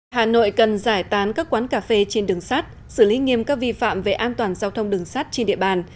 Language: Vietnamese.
hà nội cần giải tán các quán cà phê trên đường sát xử lý nghiêm các vi phạm về an toàn giao thông đường sắt trên địa bàn